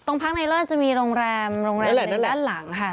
พักในเลิศจะมีโรงแรมโรงแรมในด้านหลังค่ะ